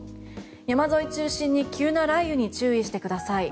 山沿い中心に急な雷雨に注意してください。